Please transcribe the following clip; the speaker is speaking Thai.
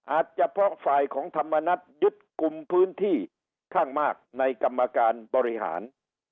อาจจะเพราะฝ่ายของธรรมนัฐยึดกลุ่มพื้นที่ข้างมากในกรรมการบริหาร